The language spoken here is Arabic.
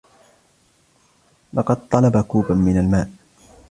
لقد طَلَبَ كوب من الماء.